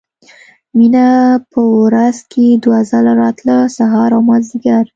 مينه په ورځ کښې دوه ځله راتله سهار او مازديګر.